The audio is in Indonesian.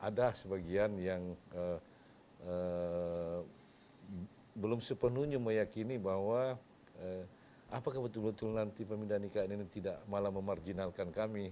ada sebagian yang belum sepenuhnya meyakini bahwa apakah betul betul nanti pemindahan ikn ini tidak malah memarjinalkan kami